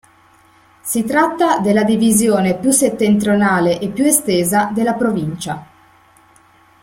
Si tratta della divisione più settentrionale e più estesa della provincia.